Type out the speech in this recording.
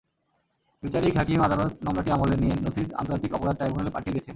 বিচারিক হাকিম আদালত মামলাটি আমলে নিয়ে নথি আন্তর্জাতিক অপরাধ ট্রাইব্যুনালে পাঠিয়ে দিয়েছেন।